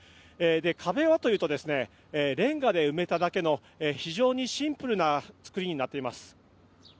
壁はというとレンガで埋めただけの非常にシンプルな造りになっています。